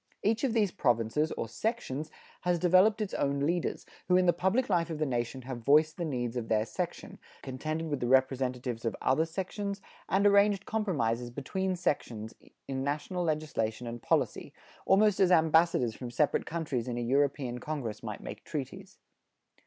Each of these provinces, or sections, has developed its own leaders, who in the public life of the nation have voiced the needs of their section, contended with the representatives of other sections, and arranged compromises between sections in national legislation and policy, almost as ambassadors from separate countries in a European congress might make treaties.